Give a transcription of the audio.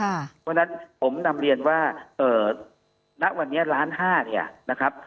เพราะฉะนั้นผมนำเรียนว่าณวันนี้ล้านห้าเนี่ยนะครับ